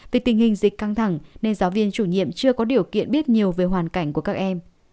về tình hình dịch căng thẳng nên giáo viên chủ nhiệm chưa có điều kiện biết nhiều về hoàn cảnh của các em